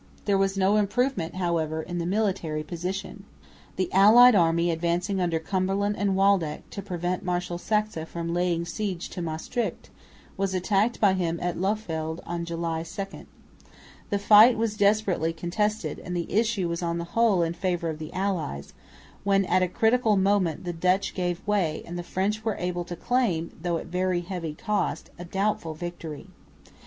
There was no improvement, however, in the military position. The allied army advancing under Cumberland and Waldeck, to prevent Marshal Saxe from laying siege to Maestricht, was attacked by him at Lauffeldt on July 2. The fight was desperately contested, and the issue was on the whole in favour of the allies, when at a critical moment the Dutch gave way; and the French were able to claim, though at very heavy cost, a doubtful victory.